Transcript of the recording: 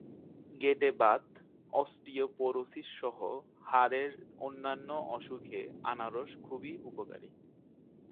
গেঁটে বাত, অস্টিওপরোসিসসহ হাড়ের অন্যান্য অসুখে আনারস খুবই উপকারী।